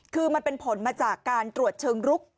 คือมันเป็นผลมาจากการตรวจเชิงรุก